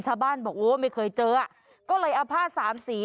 ชาวบ้านไม่เคยเจอครับก็เลยเอาผ้า๓สี